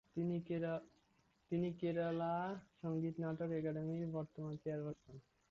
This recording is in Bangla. তিনি কেরালা সংগীত নাটক একাডেমির বর্তমান চেয়ারপারসন।